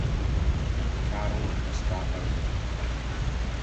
Karl està per allí.